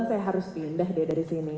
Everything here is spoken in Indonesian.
saya harus pindah deh dari sini